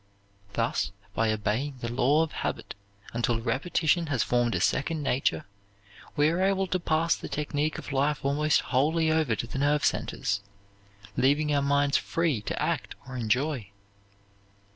Thus, by obeying the law of habit until repetition has formed a second nature, we are able to pass the technique of life almost wholly over to the nerve centers, leaving our minds free to act or enjoy.